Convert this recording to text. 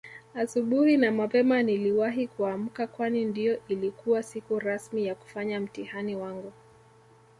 Asubuhi na mapema niliwahi kuamka Kwani ndio ilikuwa siku rasmi ya kufanya mtihani wangu